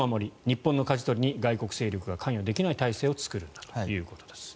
日本のかじ取りに外国勢力が関与できない体制を作るんだということです。